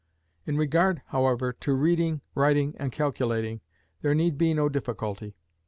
In regard, however, to reading, writing, and calculating, there need be no difficulty.